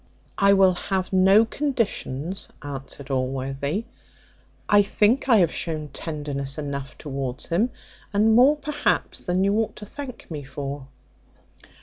"I will have no conditions," answered Allworthy; "I think I have shown tenderness enough towards him, and more perhaps than you ought to thank me for."